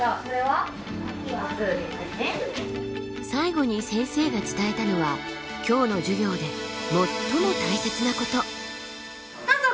最後に先生が伝えたのは今日の授業で最も大切なこと。